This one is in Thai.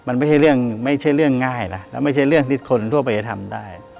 มันไม่ใช่เรื่องง่ายนะและไม่ใช่เรื่องที่คนทั่วไปจะทำได้